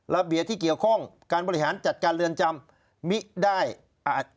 ระเบียบที่เกี่ยวข้องการบริหารจัดการเรือนจำมิได้อ่า